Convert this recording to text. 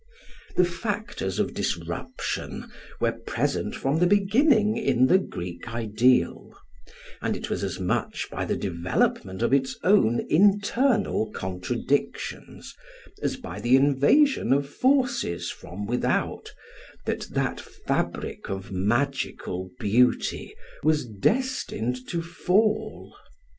The factors of disruption were present from the beginning in the Greek ideal; and it was as much by the development of its own internal contradictions as by the invasion of forces from without that that fabric of magical beauty was destined to fall.